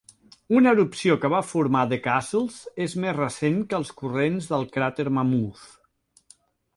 Una erupció que va formar The Castles és més recent que els corrents del cràter Mammoth.